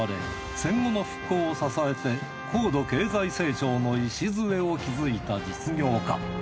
戦後の復興を支えて高度経済成長の礎を築いた実業家。